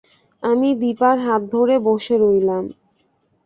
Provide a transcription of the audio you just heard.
আমি দিপার হাত ধরে বসে রইলাম।